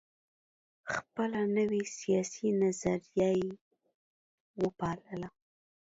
خپله نوي سیاسي نظریه یې وپالله.